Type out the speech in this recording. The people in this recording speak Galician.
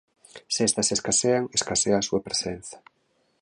Se estas escasean, escasea a súa presenza.